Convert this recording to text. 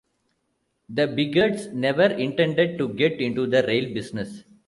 The Biegerts never intended to get into the rail business.